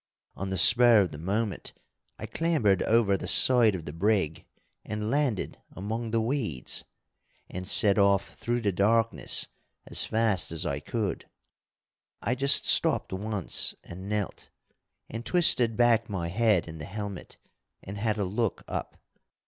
On the spur of the moment, I clambered over the side of the brig and landed among the weeds, and set off through the darkness as fast as I could. I just stopped once and knelt, and twisted back my head in the helmet and had a look up.